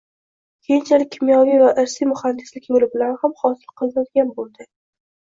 Keyinchalik kimyoviy va irsiy muhandislik yo‘li bilan ham hosil qilinadigan bo‘ldi